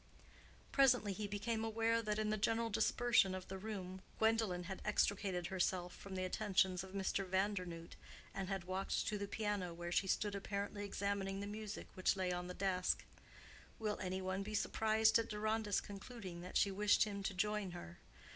Presently he became aware that, in the general dispersion of the group, Gwendolen had extricated herself from the attentions of Mr. Vandernoodt and had walked to the piano, where she stood apparently examining the music which lay on the desk. Will any one be surprised at Deronda's concluding that she wished him to join her?